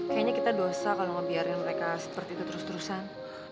kayaknya kita dosa kalau ngebiarkan mereka seperti itu terus terusan